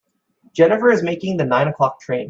Jennifer is making the nine o'clock train.